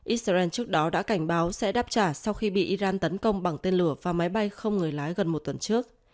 israel trước đó đã cảnh báo sẽ đáp trả sau khi bị iran tấn công bằng tên lửa và máy bay không người lái gần một tuần trước